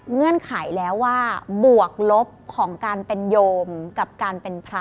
เงื่อนไขแล้วว่าบวกลบของการเป็นโยมกับการเป็นพระ